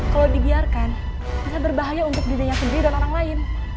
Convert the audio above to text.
kalau dibiarkan bisa berbahaya untuk dirinya sendiri dan orang lain